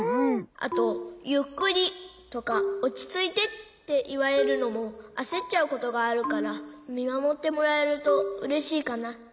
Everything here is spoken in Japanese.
あとゆっくりとかおちついてっていわれるのもあせっちゃうことがあるからみまもってもらえるとうれしいかな。